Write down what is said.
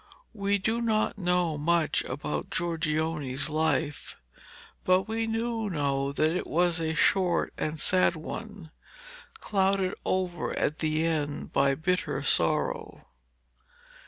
We do not know much about Giorgione's life, but we do know that it was a short and sad one, clouded over at the end by bitter sorrow.